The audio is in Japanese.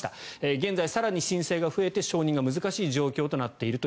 現在、更に申請が増えて承認が難しい状況になっていると。